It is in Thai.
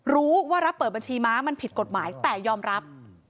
รับเปิดบัญชีม้ามันผิดกฎหมายแต่ยอมรับ